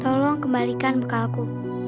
tolong kembalikan bekalku